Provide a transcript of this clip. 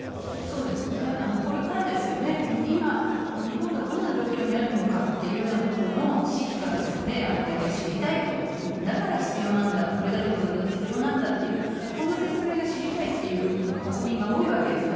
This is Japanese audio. そうですね、これからですよね、今、日本がどんな状況にあるのかっていうようなことの知識から、やっぱり知りたいと、だから必要なんだ、これだけの増額必要なんだっていう、この説明が知りたいっていう国民が多いわけですよね。